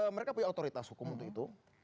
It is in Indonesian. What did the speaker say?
mereka punya otoritas hukum untuk itu